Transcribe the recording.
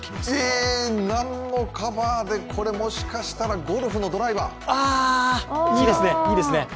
えーっ、何のカバーでこれもしかしたらゴルフのドライバー？